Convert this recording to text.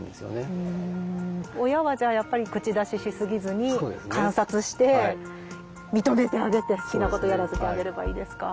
親はじゃあやっぱり口出しし過ぎずに観察して認めてあげて好きなことやらせてあげればいいですか？